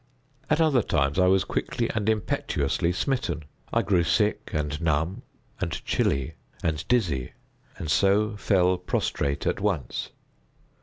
At other times I was quickly and impetuously smitten. I grew sick, and numb, and chilly, and dizzy, and so fell prostrate at once.